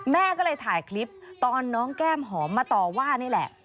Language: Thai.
แม่ก็เลยถ่ายคลิปตอนน้องแก้มหอมมาต่อว่านี่แหละ